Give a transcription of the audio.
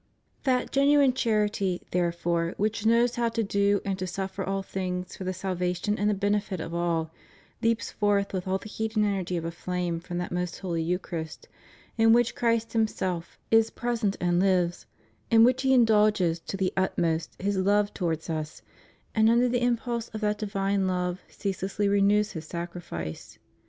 That genuine charity, therefore, which knows how to do and to suffer all things for the salvation and the benefit of all, leaps forth with all the heat and energy of a flame from that Most Holy Eucharist in which Christ Himself is present and lives, in which He indulges to the utmost His love towards us, and under the impulse of that divine love ceaselessly renews His Sacrifice.